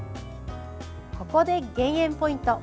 ここで減塩ポイント